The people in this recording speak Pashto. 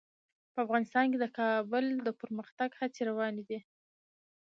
په افغانستان کې د کابل د پرمختګ هڅې روانې دي.